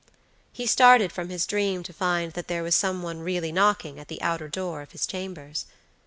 He started from his dream to find that there was some one really knocking at the outer door of his chambers.